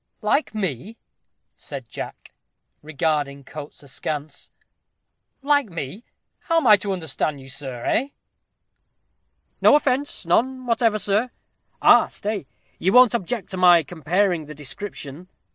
"Like me," said Jack, regarding Coates askance; "like me how am I to understand you, sir, eh?" "No offence; none whatever, sir. Ah! stay, you won't object to my comparing the description.